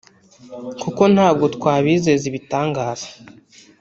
kuko ntabwo twabizeza ibitangaza